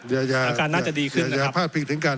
อย่าอย่าอย่าอาการน่าจะดีขึ้นนะครับอย่าอย่าพลาดเพียงถึงการ